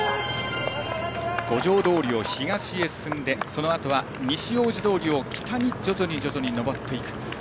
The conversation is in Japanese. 五条通を東に進んでそのあとは西大路通を北に徐々に上っていく。